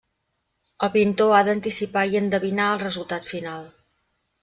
El pintor ha d'anticipar i endevinar el resultat final.